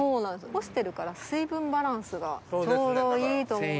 干してるから水分バランスがちょうどいいと思う。